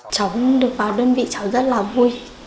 cháu được vào đơn vị cháu rất là vui